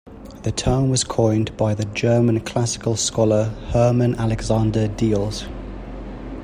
The term was coined by the German classical scholar Hermann Alexander Diels.